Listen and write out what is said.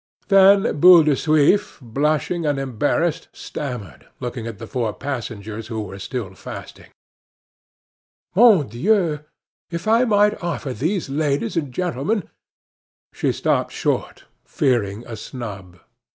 Then Boule de Suif, blushing and embarrassed, stammered, looking at the four passengers who were still fasting: "'Mon Dieu', if I might offer these ladies and gentlemen " She stopped short, fearing a snub.